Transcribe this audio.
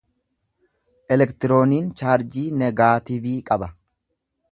Elektirooniin chaarjii negaativii qaba.